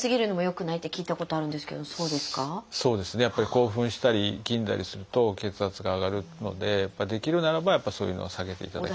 興奮したりいきんだりすると血圧が上がるのでできるならばそういうのは避けていただきたい。